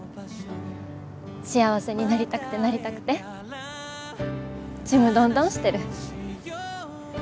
幸せになりたくてなりたくてちむどんどんしてる。